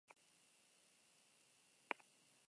Espezie gehienak bikoteka bizi dira.